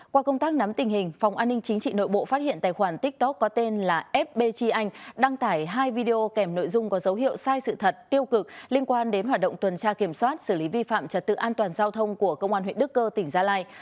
qua công tác nắm tình hình phòng an ninh chính trị nội bộ phát hiện tài khoản tiktok có tên là fbg anh đăng tải hai video kèm nội dung có dấu hiệu sai sự thật tiêu cực liên quan đến hoạt động tuần tra kiểm soát xử lý vi phạm trật tự an toàn giao thông của công an huyện đức cơ tỉnh gia lai